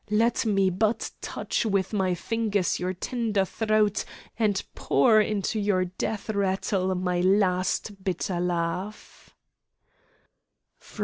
Let me but touch with my fingers your tender throat and pour into your death rattle my last bitter laugh!"